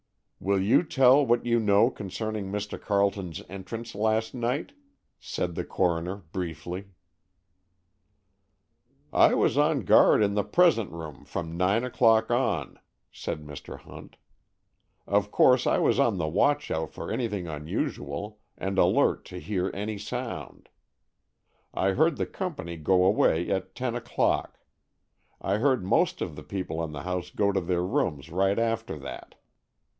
"Will you tell what you know concerning Mr. Carleton's entrance last night?" said the coroner, briefly. "I was on guard in the present room from nine o'clock on," said Mr. Hunt. "Of course I was on the watch out for anything unusual, and alert to hear any sound. I heard the company go away at ten o'clock, I heard most of the people in the house go to their rooms right after that.